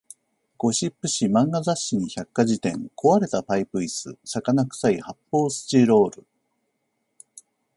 ゴシップ誌、漫画雑誌に百科事典、壊れたパイプ椅子、魚臭い発砲スチロール